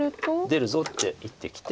出るぞって言ってきて。